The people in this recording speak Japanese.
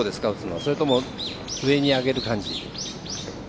それとも上に上げる感じ？